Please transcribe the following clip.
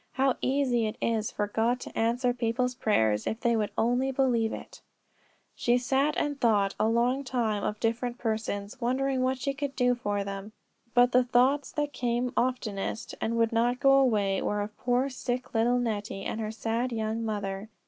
How easy it is for God to answer people's prayers, if they would only believe it! She sat and thought a long time of different persons, wondering what she could do for them. But the thoughts that came oftenest, and would not go away, were of poor sick little Nettie, and her sad young mother.